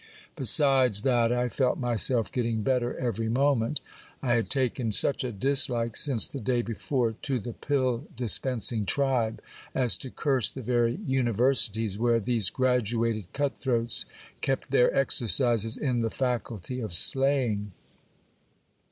Besides that I felt myself getting better every moment, I had taken such a dislike, since the day before, to the pill dispensing tribe, as to curse the very universities where these graduated cut throats kept their exercises in the faculty of slaying.